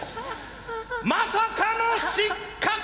まさかの失格！